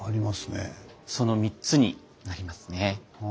その３つになりますね。